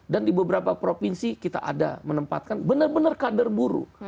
dan di beberapa provinsi kita ada menempatkan benar benar kader buruh